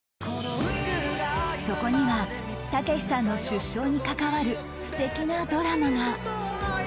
そこには剛士さんの出生に関わる素敵なドラマが